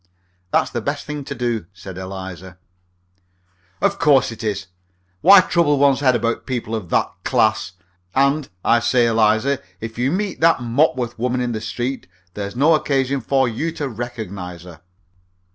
"That's the best thing to do," said Eliza. "Of course it is. Why trouble one's head about people of that class? And, I say, Eliza, if you meet that Mopworth woman in the street, there's no occasion for you to recognize her."